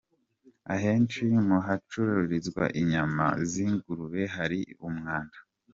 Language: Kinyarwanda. Ahenshi mu hacururizwa inyama z’ingurube hari umwanda.